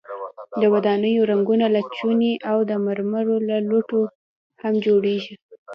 د ودانیو رنګونه له چونې او د مرمرو له لوټو هم جوړیږي.